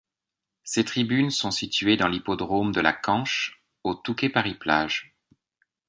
Ces tribunes sont situées dans l'hippodrome de la Canche au Touquet-Paris-Plage.